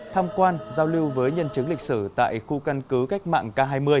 tham quan giao lưu với nhân chứng lịch sử tại khu căn cứ cách mạng k hai mươi